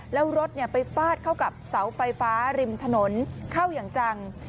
แล้วรถไปฟาดเข้ากับเสาไฟฟ้าริมถนนเข้าอย่างจัง